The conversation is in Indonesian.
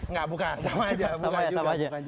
enggak bukan sama aja